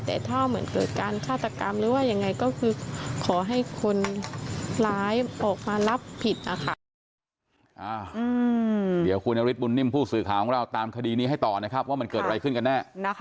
แต่ถ้าเหมือนเกิดการฆาตกรรมหรือว่ายังไงก็คือขอให้คนร้ายออกมารับผิดนะคะ